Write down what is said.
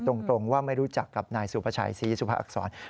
ตรงว่าไม่รู้จักกับนายสุพชัยซีสุพศักดิ์อักษร